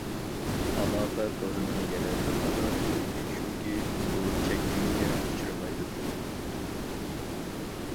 ئالاقە تورىنىڭ يەنە بىر ئالاھىدىلىكى شۇكى، ئۇ چەكلىمىگە ئۇچرىمايدۇ.